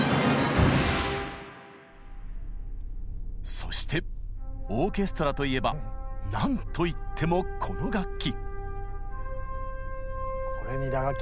そしてオーケストラといえばなんといってもこの楽器。